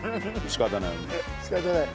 仕方ない。